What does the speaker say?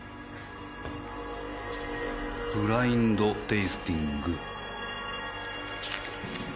「ブラインド・テイスティング」？